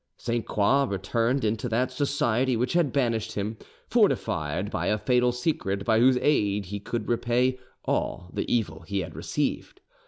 Sainte Croix returned into that society which had banished him, fortified by a fatal secret by whose aid he could repay all the evil he had received.